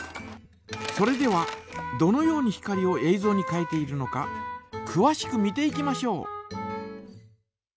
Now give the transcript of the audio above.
それではどのように光をえいぞうに変えているのかくわしく見ていきましょう。